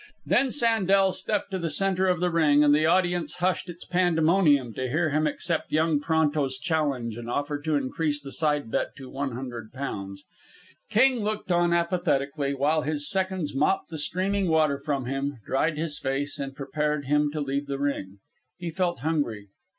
Then Sandel stepped to the centre of the ring and the audience hushed its pandemonium to hear him accept young Pronto's challenge and offer to increase the side bet to one hundred pounds. King looked on apathetically while his seconds mopped the streaming water from him, dried his face, and prepared him to leave the ring. He felt hungry.